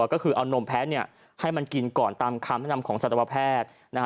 ก็คือเอานมแพ้เนี่ยให้มันกินก่อนตามคำสำหรับของสัตวแพทย์นะฮะ